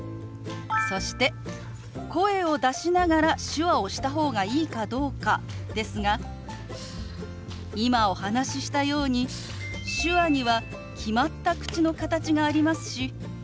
そして声を出しながら手話をした方がいいかどうかですが今お話ししたように手話には決まった口の形がありますし